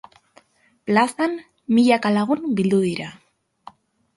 Plazan, milaka lagun bildu dira.